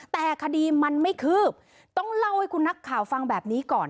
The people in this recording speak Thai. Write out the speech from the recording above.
แต่คดีมันไม่คืบต้องเล่าให้คุณนักข่าวฟังแบบนี้ก่อน